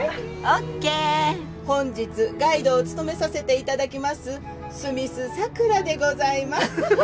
本日ガイドを務めさせていただきますスミス桜でございます。